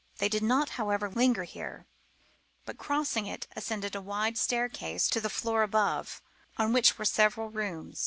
They did not, however, linger here, but, crossing it, ascended a wide staircase to the floor above, on which were several rooms.